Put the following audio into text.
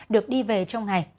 được đi về trong ngày